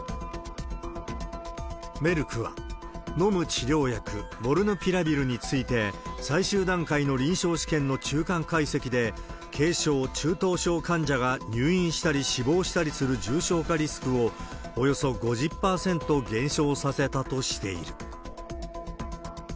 メルクは、飲む治療薬モルヌピラビルについて、最終段階の臨床試験の中間解析で、軽症・中等症患者が入院したり死亡したりする重症化リスクをおよそ５０％減少させたとしている。